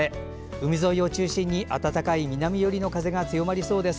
海沿いを中心に暖かな南寄りの風が強まりそうです。